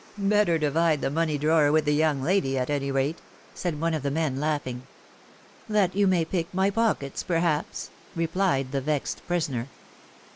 " Better divide the money drawer with the young lady, at any rate," said one of the men, laughing. " That you may pick my pockets, perhaps ?" replied the vexed prisoner.